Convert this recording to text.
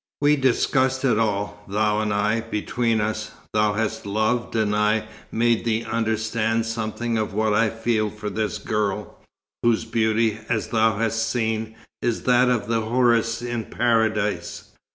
We discussed it all, thou and I, between us. Thou hast loved, and I made thee understand something of what I feel for this girl, whose beauty, as thou hast seen, is that of the houris in Paradise.